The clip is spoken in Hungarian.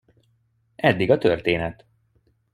Eddig a történet.